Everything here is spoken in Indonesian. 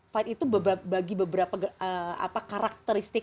fight itu bagi beberapa karakteristik